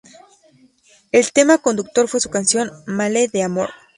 El tema conductor fue su canción "Male d'amore".